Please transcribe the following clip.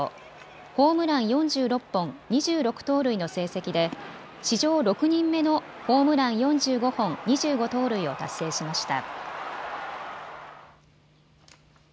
ホームラン４６本、２６盗塁の成績で史上６人目のホームラン４５本２５盗塁を達成しました。